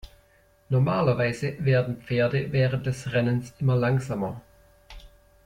Normalerweise werden Pferde während des Rennens immer langsamer.